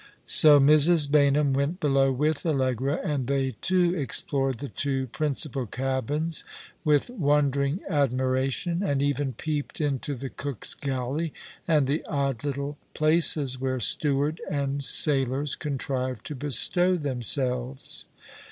So Mrs. Baynham went below with Allegra, and they two explored the two principal cabins with wondering admiration, and even peeped into the cook's galley, and the odd little places where steward and sailors contrived to bestow themselves.